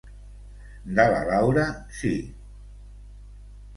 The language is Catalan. De la Laura, sí.